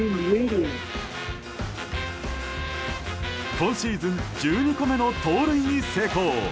今シーズン１２個目の盗塁に成功。